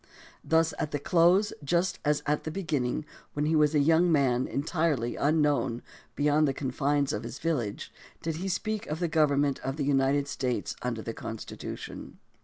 Thus, at the close, just as at the beginning when he was a young man entirely un 154 THE DEMOCRACY OF ABRAHAM LINCOLN known beyond the confines of his village, did he speak of the Government of the United States under the Constitution.